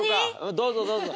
どうぞどうぞ。